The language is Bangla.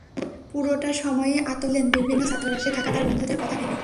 পুরোটা সময়ই আতঙ্কিত ছিলেন বিভিন্ন ছাত্রাবাসে থাকা তাঁর বন্ধুদের কথা ভেবে।